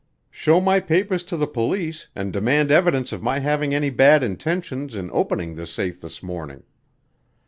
Show my papers to the police and demand evidence of my having any bad intentions in opening this safe this morning.